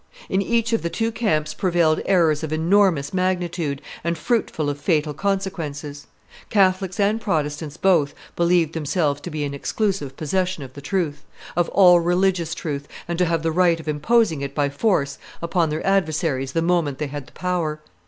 In each of the two camps prevailed errors of enormous magnitude, and fruitful of fatal consequences; Catholics and Protestants both believed themselves to be in exclusive possession of the truth, of all religious truth, and to have the right of imposing it by force upon their adversaries the moment they had the power.